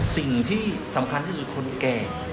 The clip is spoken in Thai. สิ่งที่สำคัญที่สุดคนแก่